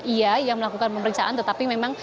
ia yang melakukan pemeriksaan tetapi memang